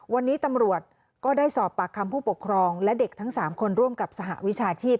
วันนี้ตำรวจก็ได้สอบปากคำผู้ปกครองและเด็กทั้ง๓คนร่วมกับสหวิชาชีพ